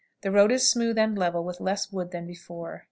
The road is smooth and level, with less wood than before.